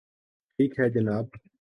ٹھیک ہے جناب